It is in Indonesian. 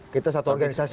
kita satu organisasi